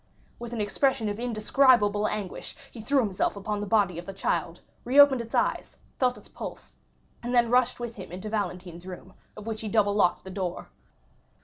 With an expression of indescribable anguish he threw himself upon the body of the child, reopened its eyes, felt its pulse, and then rushed with him into Valentine's room, of which he double locked the door.